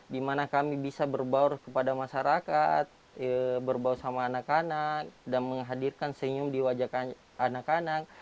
di mana kami bisa berbaur kepada masyarakat berbaur sama anak anak dan menghadirkan senyum di wajah anak anak